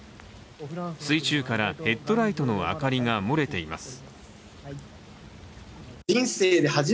水中からヘッドライトの明かりが漏れています。